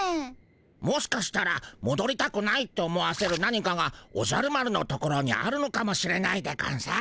もしかしたらもどりたくないって思わせる何かがおじゃる丸のところにあるのかもしれないでゴンス。